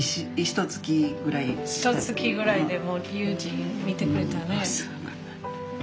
ひとつきぐらいでもう悠仁を見てくれたね。